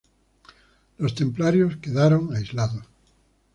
Los templarios quedaron aislados.